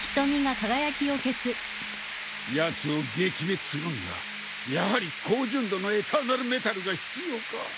やつを撃滅するにはやはり高純度のエターナルメタルが必要か。